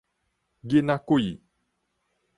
囡仔鬼